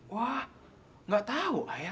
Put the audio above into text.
wah nggak tahu ayah